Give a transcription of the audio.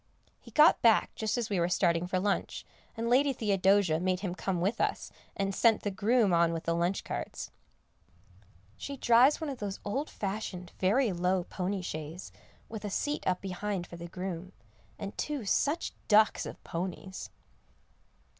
He got back just as we were starting for lunch, and Lady Theodosia made him come with us, and sent the groom on with the lunch carts. She drives one of those old fashioned, very low pony shays, with a seat up behind for the groom, and two such ducks of ponies.